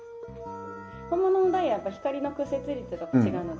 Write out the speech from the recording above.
本物のダイヤ光の屈折率が違うので。